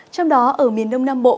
trong đó ở miền đông nam bộ